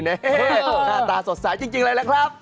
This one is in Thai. หน้าตาสดใสจริงเลยล่ะครับ